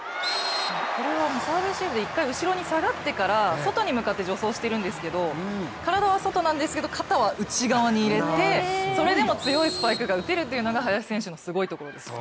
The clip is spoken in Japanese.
これはいったん後ろに下がってから外に向かって助走しているんですけど、体は外なんですけど肩は内側に入れてそれでも強いスパイクが打てるというのが林選手のすごいところです。